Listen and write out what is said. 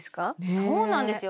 そうなんですよ